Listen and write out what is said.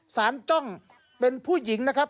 จ้องเป็นผู้หญิงนะครับ